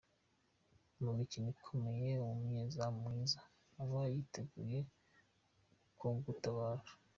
Mu mikino ikomeye umunyezamu mwiza aba yiteguye kugutabara.